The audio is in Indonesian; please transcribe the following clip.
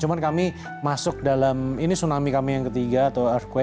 cuma kami masuk dalam ini tsunami kami yang ketiga atau artway